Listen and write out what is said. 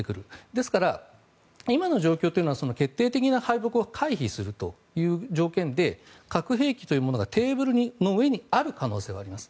ですから、今の状況というのは決定的な敗北を回避するという条件で核兵器というものがテーブルの上にある可能性はあります。